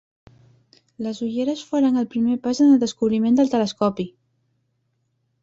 Les ulleres foren el primer pas en el descobriment del telescopi.